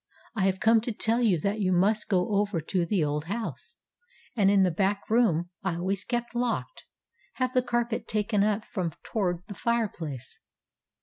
ŌĆ£I have come to tell you that you must go over to the old house, and in the back room I always kept locked, have the carpet taken up from toward the fireplace.